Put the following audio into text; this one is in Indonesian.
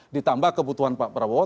ditambah kebutuhan pak prabowo